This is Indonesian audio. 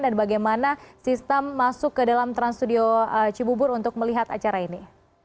dan bagaimana sistem masuk ke dalam trans studio cibubur untuk melihat acara ini